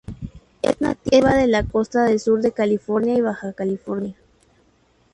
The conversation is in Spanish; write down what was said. Es nativa de la costa del sur de California y Baja California.